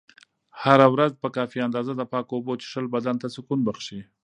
هره ورځ په کافي اندازه د پاکو اوبو څښل بدن ته سکون بښي.